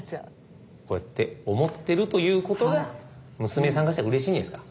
こうやって思ってるということが娘さんからしたらうれしいんじゃないですか。